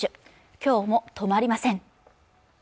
きょうも止まりません